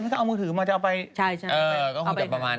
แกล้งแกล้งแกล้งแกล้งแกล้ง